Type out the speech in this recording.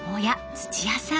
土屋さん